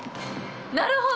なるほど。